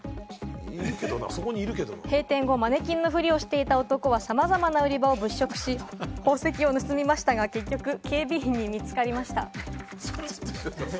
閉店後、マネキンのふりをしていた男はさまざまな売り場を物色し、宝石を盗みましたが、結局、警備員に見つかりました。